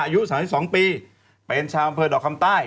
อายุ๓๒ปีเป็นชาวอำเภอดอกคำใต้